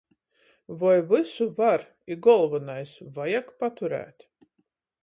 Voi vysu var i, golvonais, vajag paturēt?